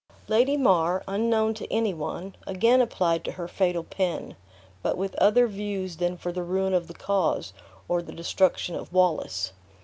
Lady Mar, unknown to any one, again applied to her fatal pen; but with other views than for the ruin of the cause, or the destruction of Wallace.